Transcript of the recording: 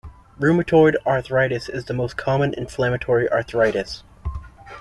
Rheumatoid arthritis is the most common inflammatory arthritis.